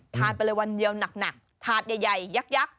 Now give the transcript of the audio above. ไปเลยวันเดียวหนักถาดใหญ่ยักษ์